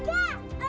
tidak apa apa aja